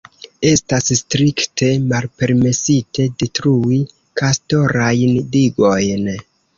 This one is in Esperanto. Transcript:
Estas strikte malpermesite detrui kastorajn digojn.